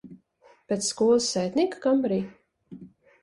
Pēc skolas sētnieka kambarī?